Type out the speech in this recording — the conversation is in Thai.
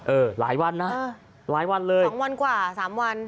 หลายวันนะหลายวันเลย๒วันกว่า๓วัน